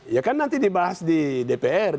ya kan nanti dibahas di dpr